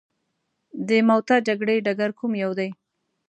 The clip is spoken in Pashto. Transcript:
د موته جګړې ډګر کوم یو دی.